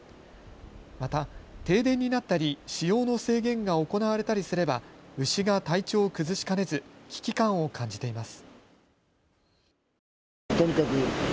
また、停電になったり使用の制限が行われたりすれば牛が体調を崩しかねず危機感を感じています。